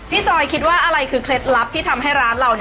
จอยคิดว่าอะไรคือเคล็ดลับที่ทำให้ร้านเรา